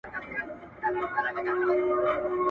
زموږ پاچا دی موږ په ټولو دی منلی!